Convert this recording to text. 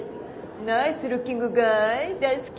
ナイスルッキングガイ大好き。